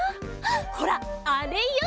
ほらあれよ。